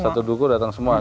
satu duku datang semua